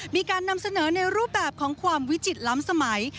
มีการนำเสนอในรูปแบบของความวิจิตล้ำสมัย